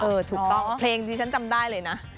ถูกต้องเพลงที่ฉันจำได้เลยนะ